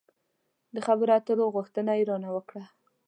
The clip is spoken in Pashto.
د خبرو اترو غوښتنه يې را نه وکړه.